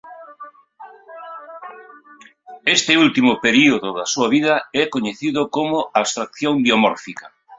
Este último período da súa vida é coñecido como "abstracción biomórfica".